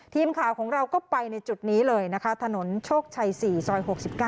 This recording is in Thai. ทีมข่าวของเราก็ไปในจุดนี้เลยนะคะถนนโชคชัย๔ซอย๖๙